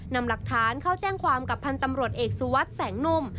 นำหลักฐานเข้าแจ้งความกับพันธ์ตำรวจเอกสุวัสดิ์แสงนุ่ม